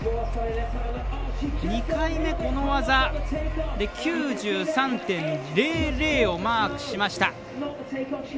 ２回目、この技で９３．００をマークしました。